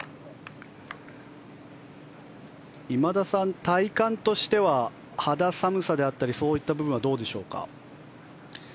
今田さん、体感としては肌寒さであったりそういった部分はどうでしょうか。